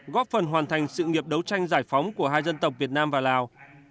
góp phần hoàn thành sự nghiệp đấu tranh giải phóng của hai dân tộc việt nam và lào